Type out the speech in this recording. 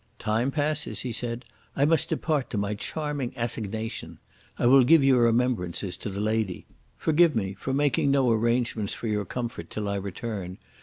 "Time passes," he said. "I must depart to my charming assignation. I will give your remembrances to the lady. Forgive me for making no arrangements for your comfort till I return.